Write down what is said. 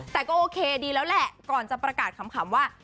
แต่ก็โอเคดีแล้วแหละก่อนจะประกาศขำว่า